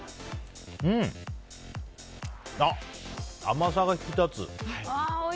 甘さが引き立つ。